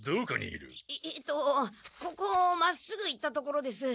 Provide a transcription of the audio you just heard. えっとここをまっすぐ行った所です。